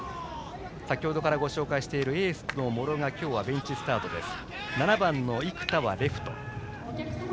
先程からご紹介しているエースの茂呂が今日はベンチスタートです。